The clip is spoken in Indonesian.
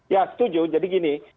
ya setuju jadi gini